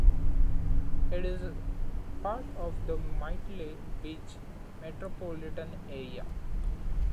It is part of the Myrtle Beach metropolitan area.